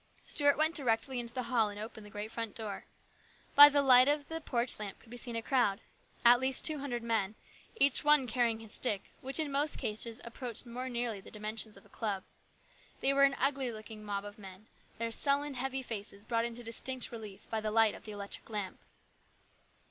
Stuart went directly into the hall and opened the great front door. By the light of the porch lamp could be seen a crowd, at least two hundred men, each one carrying his stick, which in most cases approached more nearly the dimensions of a club. They were an ugly looking mob of men, their sullen, heavy faces brought into distinct relief by the light of the electric lamp.